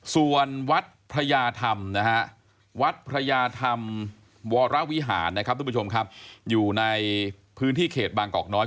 ส่วนวัดพญาธรรมวรวิหารอยู่ในพื้นที่เขตบางกอกน้อย